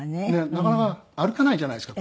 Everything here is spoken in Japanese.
なかなか歩かないじゃないですか。